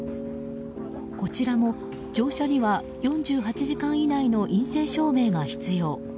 こちらも乗車には４８時間以内の陰性証明が必要。